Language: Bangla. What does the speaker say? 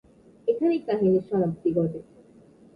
এখানেই কাহিনীর সমাপ্তি ঘটে।